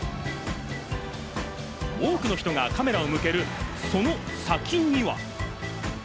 多くの人がカメラを向けるその先には。